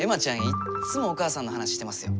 いっつもお母さんの話してますよ。